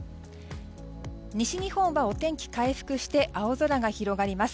西日本はお天気回復して青空が広がります。